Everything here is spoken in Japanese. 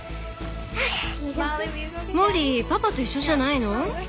モリーパパと一緒じゃないの？